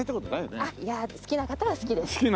いや好きな方は好きです。